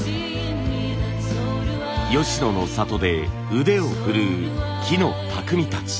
吉野の里で腕を振るう木の匠たち。